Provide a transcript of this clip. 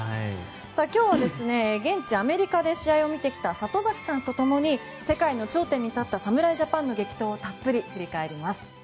今日は現地アメリカで試合を見てきた里崎さんと共に世界の頂点に立った侍ジャパンの激闘をたっぷり振り返ります。